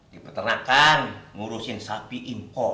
di peternakan ngurusin sapi impor